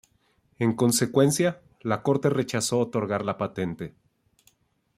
En consecuencia, la corte rechazó otorgar la patente.